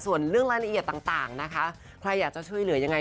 ส่วนเรื่องรายละเอียดต่างนะคะใครอยากจะช่วยเหลือยังไง